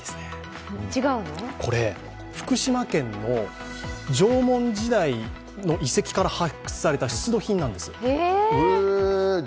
これ、福島県の縄文時代の遺跡から発掘された出土品なんです。